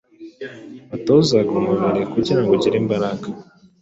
batozaga umubiri ngo ugire imbaraga